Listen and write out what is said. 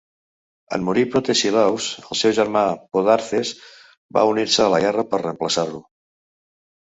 En morir Protesilaus, el seu germà Podarces va unir-se a la guerra per reemplaçar-lo.